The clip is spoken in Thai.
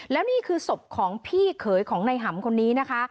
แล้วนี่คือศพของพี่เขยของในหำคนนี้นะคะ